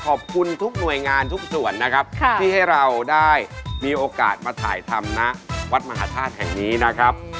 ขอบคุณทุกหน่วยงานทุกส่วนนะครับที่ให้เราได้มีโอกาสมาถ่ายธรรมณวัดมหาธาตุแห่งนี้นะครับ